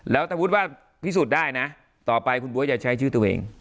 แล้วถ้ามุติว่าพิสูจน์ได้นะต่อไปคุณบ๊วยจะใช้ชื่อตัวเอง